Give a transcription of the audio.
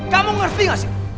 kamu ngerti gak sih